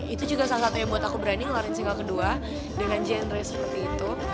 itu juga salah satu yang buat aku berani ngeluarin single kedua dengan genre seperti itu